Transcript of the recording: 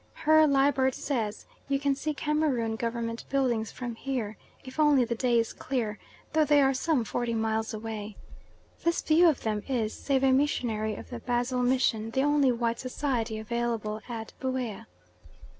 Herr Liebert says you can see Cameroon Government buildings from here, if only the day is clear, though they are some forty miles away. This view of them is, save a missionary of the Basel mission, the only white society available at Buea.